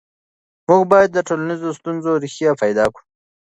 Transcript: موږ باید د ټولنیزو ستونزو ریښې پیدا کړو.